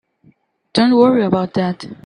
Don't worry about that.